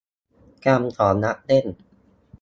- กรรมของนักเล่น